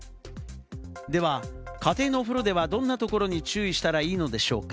では家庭のお風呂では、どんなところに注意したらいいのでしょうか？